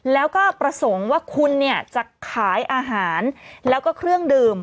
แล้วก็ประสงค์ว่าคุณเนี่ยจะขายอาหารแล้วก็เครื่องดื่ม